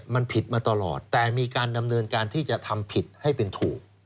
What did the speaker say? มันผิดมาตลอดแต่มีการดำเนินการที่จะทำผิดให้เป็นถูก